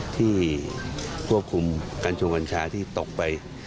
ที่ควบคุมกัญชงกัญชาที่ตกไป